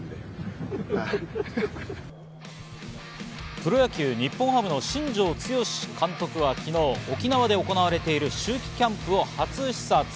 プロ野球・日本ハムの新庄剛志監督は昨日、沖縄で行われている秋季キャンプを初視察。